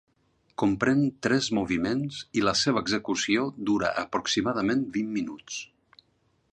Comprèn tres moviments i la seva execució dura aproximadament vint minuts.